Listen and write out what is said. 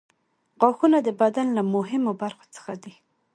غاښونه د بدن له مهمو برخو څخه دي.